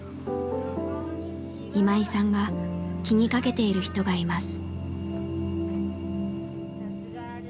今井さんが気にかけている人がいます。